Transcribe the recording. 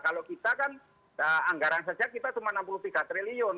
kalau kita kan anggaran saja kita cuma enam puluh tiga triliun